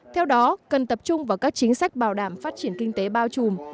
theo đó cần tập trung vào các chính sách bảo đảm phát triển kinh tế bao trùm